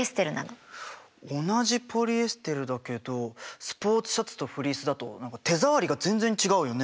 同じポリエステルだけどスポーツシャツとフリースだと何か手触りが全然違うよね？